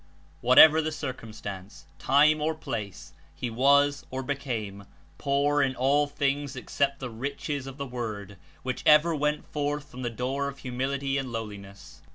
Whatever the circumstance, time or place, he was, or ^,^^^ became, poor in all things except the riches ot the Word which ever went forth from the door of humility and lowliness.